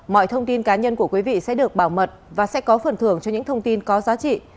mọi thông tin cá nhân của quý vị sẽ được bảo mật và sẽ có phần thưởng cho những thông tin có giá trị